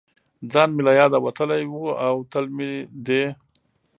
ځان مې له یاده وتلی و او تل مې دې